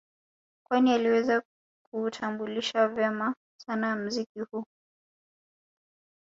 Kwani aliweza kuutambulisha vema sana mziki huu